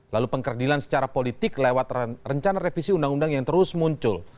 lalu pengkerdilan secara politik lewat rencana revisi undang undang yang terus muncul